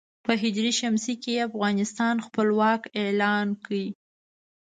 په ه ش کې یې افغانستان خپلواک اعلان کړ.